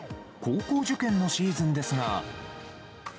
高校受験のシーズンですが。